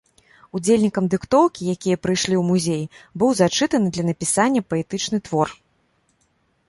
Удзельнікам дыктоўкі, якія прыйшлі ў музей, быў зачытаны для напісання паэтычны твор.